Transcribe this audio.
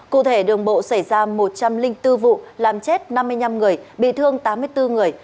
cụ thể đường bộ xảy ra một trăm linh bốn vụ làm chết năm mươi năm người bị thương tám mươi bốn người